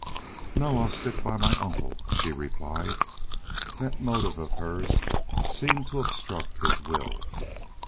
"No. I'll stick by my uncle," she replied. That motive of hers seemed to obstruct his will.